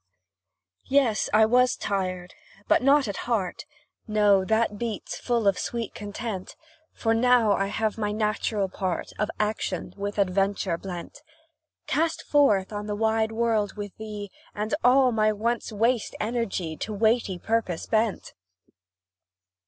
Yes; I was tired, but not at heart; No that beats full of sweet content, For now I have my natural part Of action with adventure blent; Cast forth on the wide world with thee, And all my once waste energy To weighty purpose bent.